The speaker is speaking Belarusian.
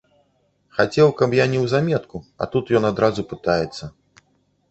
Хацеў, каб як неўзаметку, а тут ён адразу пытаецца.